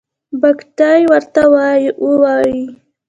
او بګتۍ ورته وايي.